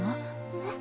えっ？